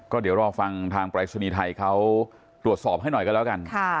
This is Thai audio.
ก็เดี๋ยวรอฟังทางปรายศนีย์ไทยเขาตรวจสอบให้หน่อยกันแล้วกัน